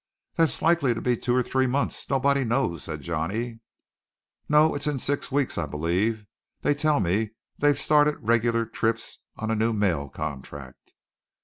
"That's likely to be two or three months nobody knows," said Johnny. "No; it's in six weeks, I believe. They tell me they've started regular trips on a new mail contract."